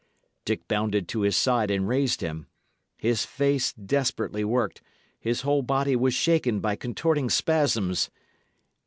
Dick bounded to his side and raised him. His face desperately worked; his whole body was shaken by contorting spasms.